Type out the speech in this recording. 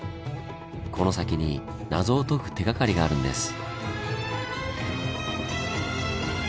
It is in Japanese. この先に謎を解く手がかりがあるんです。